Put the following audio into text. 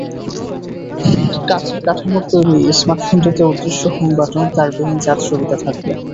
কাচের কাঠামোর তৈরি স্মার্টফোনটিতে অদৃশ্য হোম বাটন, তারহীন চার্জ সুবিধা থাকবে।